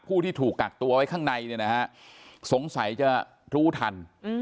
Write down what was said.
ผู้ที่ถูกกักตัวไว้ข้างในสงสัยจะรู้ทัน